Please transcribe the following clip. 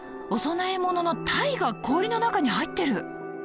お供え物の鯛が氷の中に入ってる！